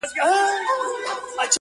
o پر خوړه مځکه هر واښه شين کېږي!